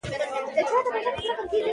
چي شپه راغله رارسېږي په ټوپونو